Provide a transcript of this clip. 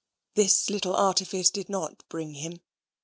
This little artifice did not bring him.